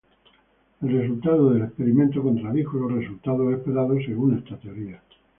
El resultado del experimento contradijo los resultados esperados según esta teoría.